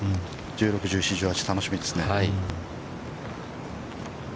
１６、１７、１８、楽しみですね。